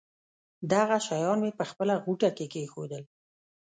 دغه شیان مې په خپله غوټه کې کېښودل.